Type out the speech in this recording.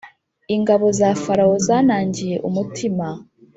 Ingabo zafarawo zanangiye umutima